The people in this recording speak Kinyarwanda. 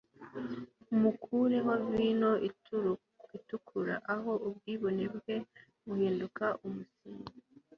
Mukureho vino itukura aho ubwibone bwe buhinduka umusinzi